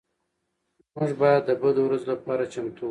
موږ باید د بدو ورځو لپاره چمتو اوسو.